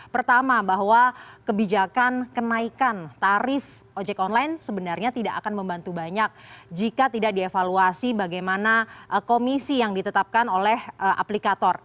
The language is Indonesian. pertama bahwa kebijakan kenaikan tarif ojek online sebenarnya tidak akan membantu banyak jika tidak dievaluasi bagaimana komisi yang ditetapkan oleh aplikator